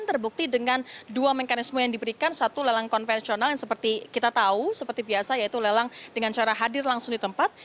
terbukti dengan dua mekanisme yang diberikan satu lelang konvensional yang seperti kita tahu seperti biasa yaitu lelang dengan cara hadir langsung di tempat